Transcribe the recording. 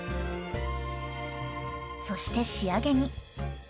そして仕上げに。